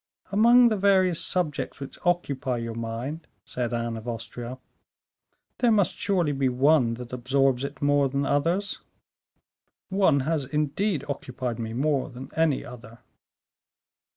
"Among the various subjects which occupy your mind," said Anne of Austria, "there must surely be one that absorbs it more than others." "One has indeed occupied me more than any other."